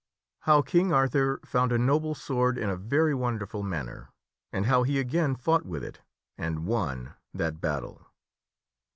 How King Arthur Found a Noble Sword In a Very Wonderful Manner. And How He Again Fought With It and Won That Battle.